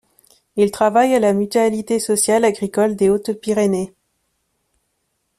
Il travaille à la Mutualité Sociale Agricole des Hautes-Pyrénées.